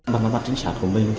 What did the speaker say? bằng mặt chính xác của mình